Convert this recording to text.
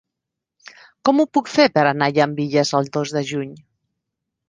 Com ho puc fer per anar a Llambilles el dos de juny?